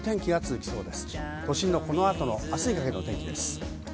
都心のこの後の明日にかけての天気です。